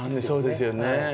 そうですよね。